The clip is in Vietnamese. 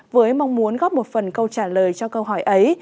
với mong muốn góp một phần câu trả lời cho câu hỏi ấy